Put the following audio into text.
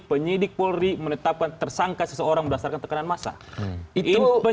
penyidik polri menetapkan tersangka seseorang berdasarkan tekanan massa